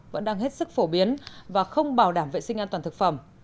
vẫn đang hết sức phổ biến và không bảo đảm vệ sinh an toàn thực phẩm